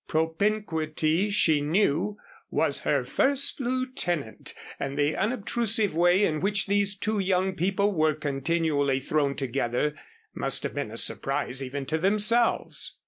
Propinquity, she knew, was her first lieutenant and the unobtrusive way in which these two young people were continually thrown together must have been a surprise even to themselves.